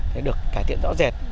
đã được cải thiện rõ rệt